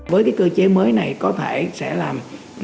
với cái cơ chế mới này có thể sẽ làm